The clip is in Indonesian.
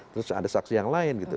terus ada saksi yang lain gitu